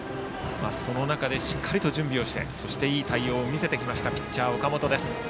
その中で、しっかりと準備をしていい対応を見せてきましたピッチャー、岡本です。